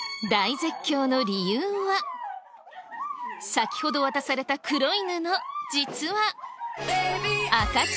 先ほど渡された黒い布実は。